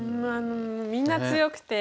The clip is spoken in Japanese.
みんな強くて。